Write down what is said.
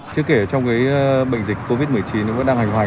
trước kể trong cái bệnh dịch covid một mươi chín nó vẫn đang hành hoành